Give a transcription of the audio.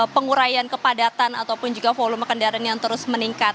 penguraian kepadatan ataupun juga volume kendaraan yang terus meningkat